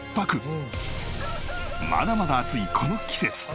まだまだ暑いこの季節。